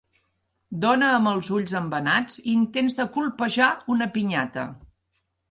Dona amb els ulls embenats intents de colpejar una pinyata